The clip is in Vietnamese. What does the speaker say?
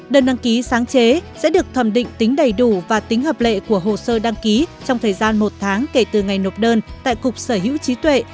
đơn đăng ký sáng chế sẽ được thẩm định tính đầy đủ và tính hợp lệ của hồ sơ đăng ký trong thời gian một tháng kể từ ngày nộp đơn tại cục sở hữu trí tuệ